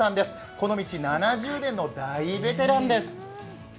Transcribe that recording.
この道７０年の大ベテランです。